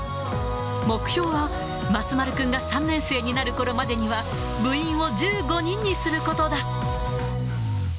目標は松丸君が３年生になるころまでには、部員を１５人にすることだ。